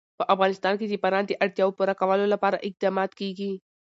په افغانستان کې د باران د اړتیاوو پوره کولو لپاره اقدامات کېږي.